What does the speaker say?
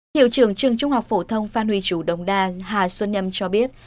hiệu trưởng trường trung học phổ thông phan huy chủ đồng đa hà xuân nhâm cho biết